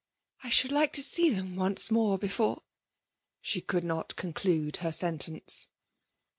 I should like to see them once more before " She could not conclude her sentence